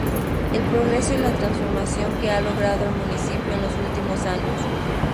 El progreso y la transformación que ha logrado el Municipio en los últimos años.